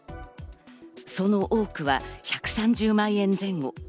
その多くは１３０万円前後。